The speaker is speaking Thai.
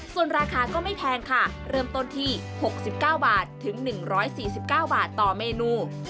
ส่วนราคาก็ไม่แพงค่ะเริ่มต้นที่๖๙บาทถึง๑๔๙บาทต่อเมนู